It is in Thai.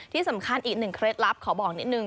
ที่สำคัญอีก๑เคล็ดลับขอบอกนิดนึง